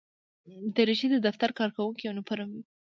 دریشي د دفتر کارکوونکو یونیفورم وي.